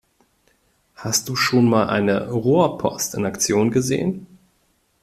Hast du schon mal eine Rohrpost in Aktion gesehen?